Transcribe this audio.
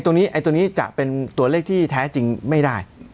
ตรงนี้จะเป็นตัวเลขที่แท้จริงไม่ได้